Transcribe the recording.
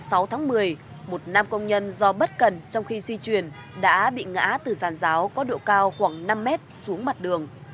ngày một mươi sáu tháng một mươi một nam công nhân do bất cần trong khi di truyền đã bị ngã từ giàn ráo có độ cao khoảng năm m xuống mặt đường